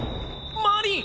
マリン！